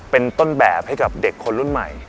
เป็นต้นแบบให้กับเด็กคนรุ่นใหม่